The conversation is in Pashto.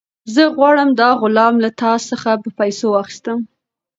زه غواړم دا غلام له تا څخه په پیسو واخیستم.